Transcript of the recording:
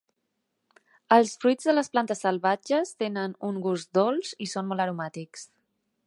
Els fruits de les plantes salvatges tenen un gust dolç i són molt aromàtics.